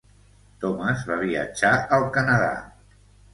Thomas va viatjar al Canadà.